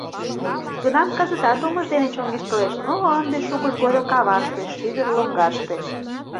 Южгунам кызытат омыж дене чоҥештылеш, но ынде шукыж годым каваште, шӱдыр лоҥгаште.